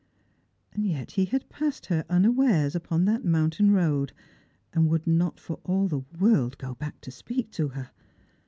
And yet he had passed her unawares, upon that mountain road, and would not for all the world go back to speak to her.